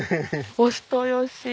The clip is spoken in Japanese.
お人よし！